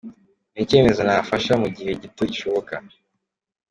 Ni icyemezo nafasha mu gihe gito gishoboka.